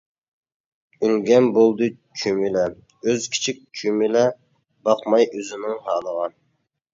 ئۈلگەم بولدى چۈمۈلە ئۆز كىچىك چۈمۈلە، باقماي ئۆزىنىڭ ھالىغا.